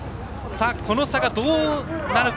この差がどうなるか。